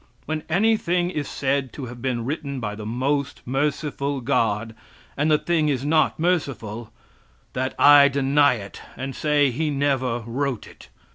When anything is said to have been written by the most merciful God, and the thing is not merciful, that I deny it, and say He never wrote it.